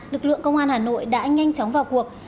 lực lượng công an hà nội đã nhanh chóng vào cuộc